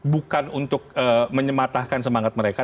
bukan untuk menyematahkan semangat mereka